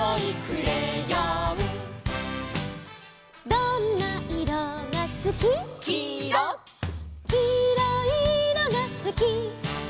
「どんないろがすき」「」「きいろいいろがすき」